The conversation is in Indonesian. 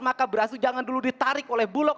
maka beras itu jangan dulu ditarik oleh bulog